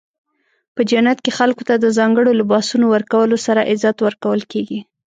په جنت کې خلکو ته د ځانګړو لباسونو ورکولو سره عزت ورکول کیږي.